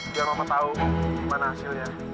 biar mama tahu gimana hasilnya